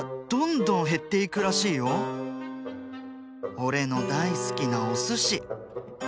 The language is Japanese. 俺の大好きなおすし。